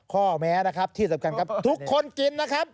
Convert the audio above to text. ข้อแม้นะครับที่สำคัญครับทุกคนกินนะครับ